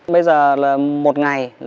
bây giờ là một ngày